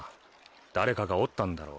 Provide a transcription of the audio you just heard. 誰かが折ったんだろう。